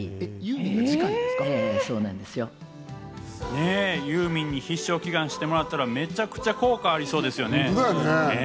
ね、ユーミンに必勝祈願してもらったら、めちゃくちゃ効果ありそうですよね。